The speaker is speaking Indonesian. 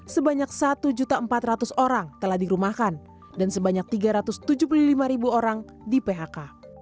sebanyak satu empat ratus orang telah dirumahkan dan sebanyak tiga ratus tujuh puluh lima orang di phk